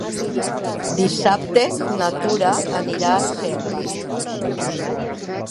Dissabte na Tura anirà a Selva.